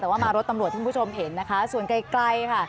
แต่ว่ามารถตำรวจที่คุณผู้ชมเห็นนะคะส่วนไกลค่ะ